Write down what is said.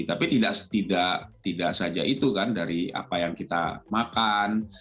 tapi tidak saja itu kan dari apa yang kita makan